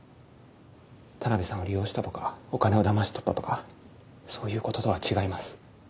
田辺さんを利用したとかお金をだまし取ったとかそういうこととは違います。